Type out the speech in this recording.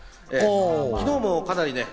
昨日もかなりね。